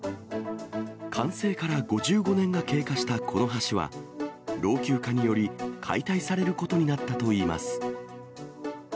完成から５５年が経過したこの橋は、老朽化により解体されることになったといいます。